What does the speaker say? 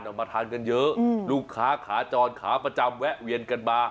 ออกมาทานกันเยอะลูกค้าขาจรขาประจำแวะเวียนกันมา